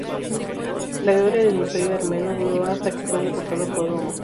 La gloria del Imperio armenio duró hasta que fue derrotado por Roma.